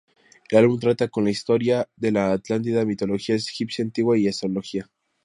El álbum trata con la historia de la Atlántida, mitología egipcia antigua y astrología.